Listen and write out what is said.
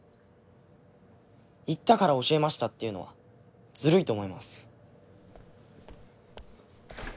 言ったから教えましたっていうのはずるいと思います。